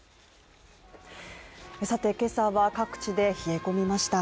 今朝は各地で冷え込みました。